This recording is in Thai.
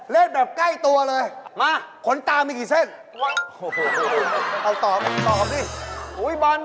เล่นแบบใกล้ตัวเลยขนตามีกี่เส้นพี่ตอบดิ